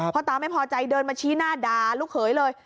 ตาไม่พอใจเดินมาชี้หน้าด่าลูกเขยเลย